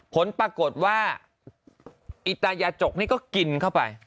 ผลปรากฏว่าอิตายาจกนี่ก็กินเข้าไป